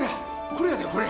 これやでこれ！